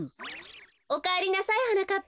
おかえりなさいはなかっぱ。